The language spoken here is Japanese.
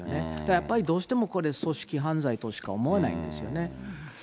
やっぱりどうしてもこれ、組織犯罪としか思えないんですよね。